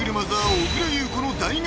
小倉優子の大学